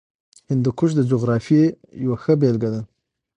هندوکش د جغرافیې یوه ښه بېلګه ده.